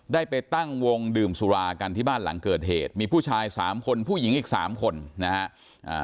ได้ไปตั้งวงดื่มสุรากันที่บ้านหลังเกิดเหตุมีผู้ชายสามคนผู้หญิงอีกสามคนนะฮะ